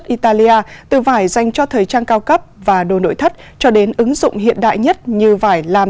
italia từ vải dành cho thời trang cao cấp và đồ nội thất cho đến ứng dụng hiện đại nhất như vải làm